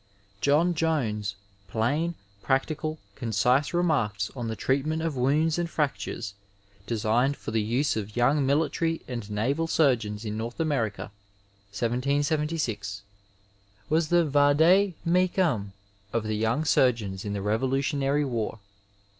John Jones's Plain, PracUcal, Concise, Remarks on the Treatment of Wounds and Fractures, Designed far ike Use of Young Military and NokhU Surgeons in North America, 1776, was the vade meoum of the young surgeons in the Revolutionary War.